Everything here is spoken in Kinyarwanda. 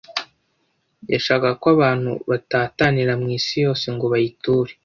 Yashakaga ko abantu batatanira mu isi yose ngo bayiture